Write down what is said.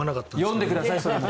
読んでください、それも。